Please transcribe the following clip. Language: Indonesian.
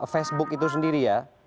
facebook itu sendiri ya